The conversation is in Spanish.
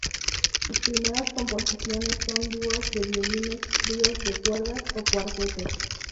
Sus primeras composiciones son dúos de violines, tríos de cuerdas o cuartetos.